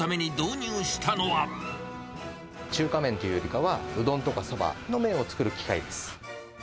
中華麺というよりかは、うどんとかそばの麺を作る機械です。